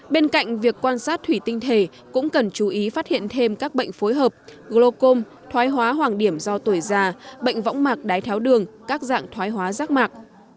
bên cạnh việc quan sát thủy tinh thể cũng cần chú ý phát hiện thêm các bệnh phối hợp glocom thoái hóa hoàng điểm do tuổi già bệnh võng mạc đái tháo đường các dạng thoái hóa rác mạc